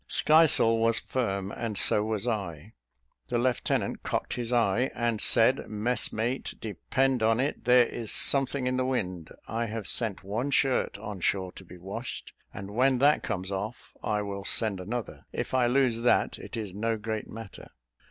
Skysail was firm, and so was I; the lieutenant cocked his eye, and said, "Messmate, depend on it there is something in the wind. I have sent one shirt on shore to be washed; and when that comes off, I will send another; if I lose that it is no great matter."